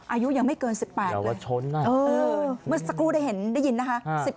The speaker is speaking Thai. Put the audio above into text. อายุยังไม่เกิน๑๘เยาวชนเมื่อสักครู่ได้เห็นได้ยินนะคะ